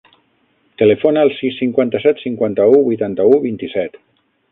Telefona al sis, cinquanta-set, cinquanta-u, vuitanta-u, vint-i-set.